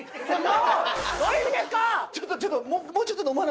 ちょっと！